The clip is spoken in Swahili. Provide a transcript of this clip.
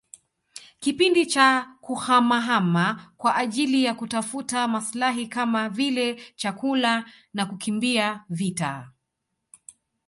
kipindi cha kuhamahama kwa ajili ya kutafuta maslahi kama vile chakula na kukimbia vita